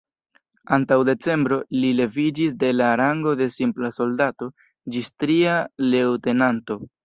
Antaŭ decembro, li leviĝis de la rango de simpla soldato ĝis tria leŭtenanto.